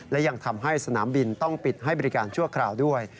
และยังทำให้สนามบินต้องปิดให้บริการชั่วคราวด้วย